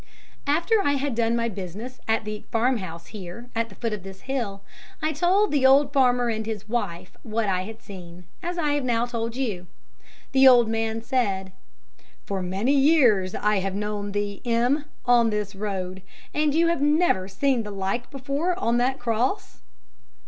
"'After I had done my business at the farmhouse here, at foot of this hill, I told the old farmer and his wife what I had seen, as I have now told you. The old man said: "'"For many years I have known thee, M , on this road, and have you never seen the like before on that cross?"